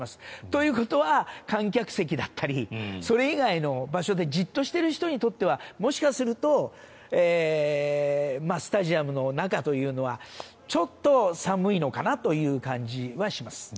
ということは、観客席だったりそれ以外の場所でじっとしている人にとってはもしかするとスタジアムの中というのは寒いのかなという感じはします。